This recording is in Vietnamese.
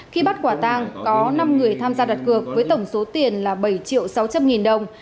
khi bắt quả tang có năm người tham gia đặt cược với tổng số tiền là bảy triệu sáu trăm linh nghìn đồng